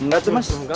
enggak tuh mas